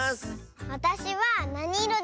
わたしはなにいろですか？